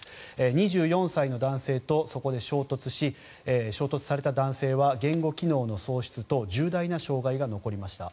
２４歳の男性とそこで衝突し衝突された男性は言語機能の喪失等重大な障害が残りました。